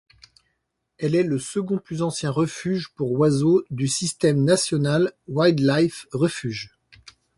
Elle est le second plus ancien refuge pour oiseaux du système National Wildlife Refuge.